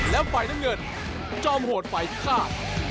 แล้วไฟดังเงินจอมโหดไฟฆ่า